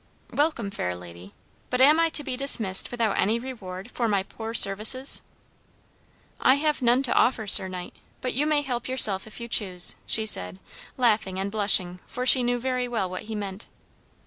"Welcome, fair lady; but am I to be dismissed without any reward for my poor services?" "I have none to offer, sir knight, but you may help yourself if you choose," she said, laughing and blushing, for she knew very well what he meant.